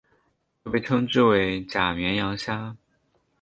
又被称之为假绵羊虾。